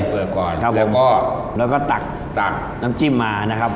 เปลือกก่อนครับแล้วก็ตักน้ำจิ้มมานะครับ